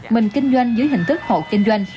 mình kinh doanh dưới hình thức hộ kinh doanh